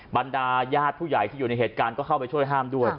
บรรดาญาติผู้ใหญ่ที่อยู่ในเหตุการณ์ก็เข้าไปช่วยห้ามด้วย